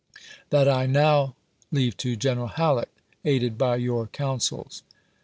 That I now leave to General Halleck, aided by your counsels." ibid.